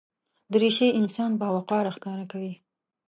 دریشي انسان باوقاره ښکاره کوي.